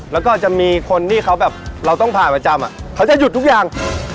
แล้วก็จะมีคนที่เขาแบบเราต้องผ่านประจำเขาจะหยุดทุกอย่าง